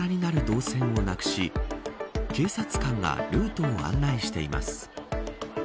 人がまばらになる導線をなくし警察官がルートを案内しています。